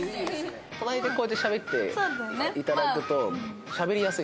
隣でこうやってしゃべっていただくとしゃべりやすい。